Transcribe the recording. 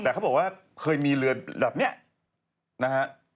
แต่เขาบอกว่าเคยมีเรือแบบนี้นะฮะ